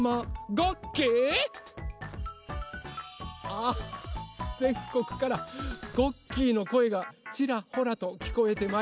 あぜんこくからごっきーのこえがちらほらときこえてまいりました。